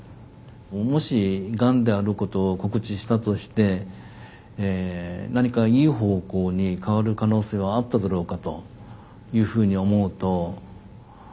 もしガンであることを告知したとして何かいい方向に変わる可能性はあっただろうかというふうに思うと。